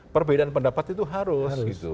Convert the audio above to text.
perbedaan pendapat itu harus